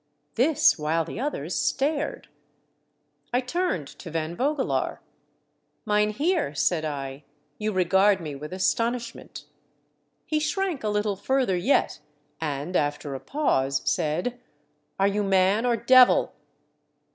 This, while the others stared. I turned to Van Vogelaar. " Mynheer," said I, " you regard me with astonish ment." He shrank a little further yet, and, after a pause, said, " Are you man or devil